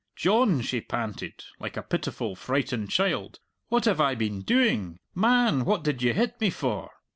"John," she panted, like a pitiful frightened child, "what have I been doing?... Man, what did you hit me for?"